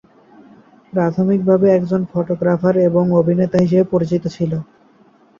প্রাথমিকভাবে একজন ফটোগ্রাফার এবং অভিনেতা হিসাবে পরিচিত ছিলো।